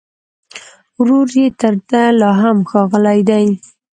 ورور يې تر ده لا هم ښاغلی دی